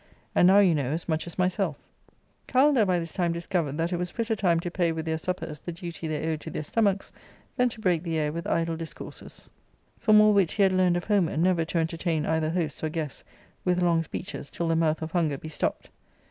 And bow you ^ know as much as myself." ! j ^/.': v ''. Kalander by this time discovered that it was fitter time to pay with their suppers the duty they owed to their stomachs than to break the air with idle discourses ; for more wit he had learned of Homer, never to entertain either hosts or guests with long speeches till the mouth of hunger be stopped.